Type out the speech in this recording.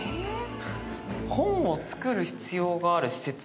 本を作る必要がある施設。